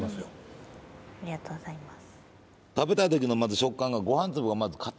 ありがとうございます